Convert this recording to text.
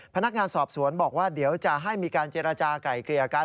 พนักงานสอบสวนบอกว่าเดี๋ยวจะให้มีการเจรจากลายเกลี่ยกัน